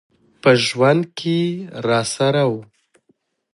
په ژوند کي راسره و .